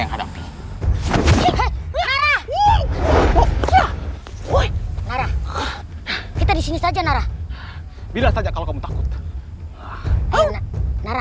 ingatlah ini adalah pasukan gelang gelang sembilan pasukan gelang gelang dalam icu di daerah sekolah mayade